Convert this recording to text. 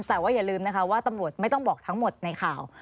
แต่ว่าอย่าลืมนะคะว่าตำรวจไม่ต้องบอกทั้งหมดในข่าว